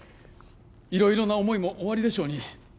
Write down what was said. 色々な思いもおありでしょうに